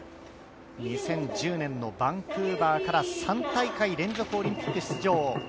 ２０１０年のバンクーバーから３大会連続オリンピック出場。